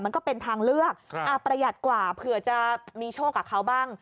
มันก็เป็นทางเลือกประหยัดกว่าเผื่อจะมีโชคกับเขาบ้าง